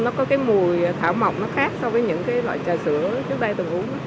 nó có cái mùi thảo mộng nó khác so với những cái loại trà sữa chúng ta từng uống